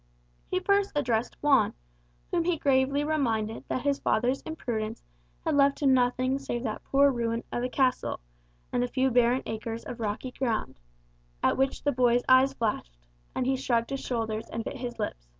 He first addressed Juan, whom he gravely reminded that his father's imprudence had left him nothing save that poor ruin of a castle, and a few barren acres of rocky ground, at which the boy's eyes flashed, and he shrugged his shoulders and bit his lip.